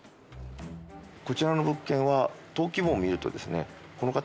こちらの物件は登記簿を見るとですねこの方